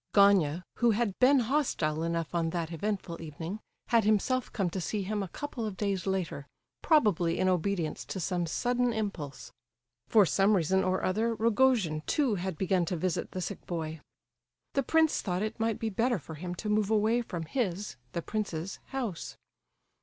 Gania, who had been hostile enough on that eventful evening, had himself come to see him a couple of days later, probably in obedience to some sudden impulse. For some reason or other, Rogojin too had begun to visit the sick boy. The prince thought it might be better for him to move away from his (the prince's) house.